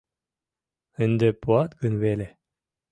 Ынде пуат гын веле...